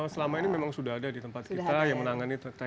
selama ini memang sudah ada di tempat kita yang menangani terkait